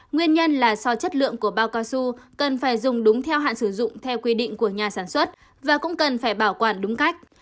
nguyên nhân là do chất lượng của bao cao su cần phải dùng đúng theo hạn sử dụng theo quy định của nhà sản xuất và cũng cần phải bảo quản đúng cách